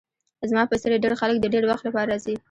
زما په څیر ډیر خلک د ډیر وخت لپاره راځي